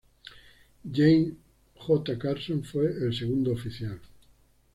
James J. Carson fue el segundo oficial.